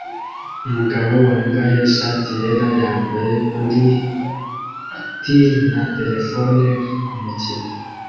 Umugabo wambaye ishati yera yambaye kuri & t na terefone kumukino